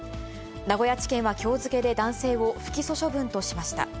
名古屋地検はきょう付けで男性を不起訴処分としました。